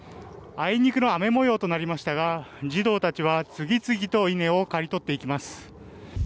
あいにくの雨模様となりましたが児童たちは次々と稲を刈り取っていきます。